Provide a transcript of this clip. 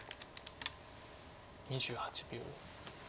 ２８秒。